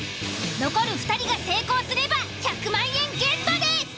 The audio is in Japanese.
残る２人が成功すれば１００万円ゲットです！